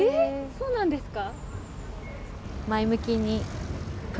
そうなんですか？